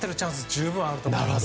十分あると思います。